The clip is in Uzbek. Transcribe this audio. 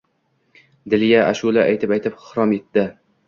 Dilya ashula aytib-aytib xirom etdi: